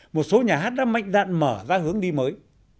một số nhà hát đã mạnh đạn mở ra hướng đi mới